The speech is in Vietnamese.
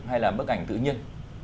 hay là bức ảnh tự nhiên